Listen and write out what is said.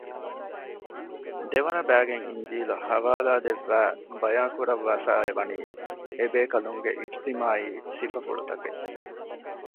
ދެވަނަ ބައިގައި އިންޖީލަށް ޙަވާލާދެއްވައި ބަޔާންކުރައްވައިފައިއެވަނީ އެބޭކަލުންގެ އިޖްތިމާޢީ ސިފަފުޅުތަކެއް